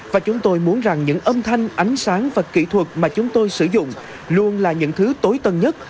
và chúng tôi muốn rằng những âm thanh ánh sáng và kỹ thuật mà chúng tôi sử dụng luôn là những thứ tối tân nhất